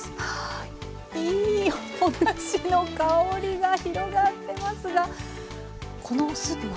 いいおだしの香りが広がってますがこのスープは？